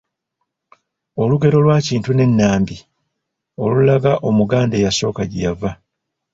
Olugero lwa Kintu ne Nnambi olulaga Omuganda eyasooka gye yava.